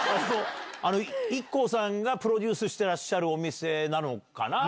ＩＫＫＯさんがプロデュースしてらっしゃるお店なのかな。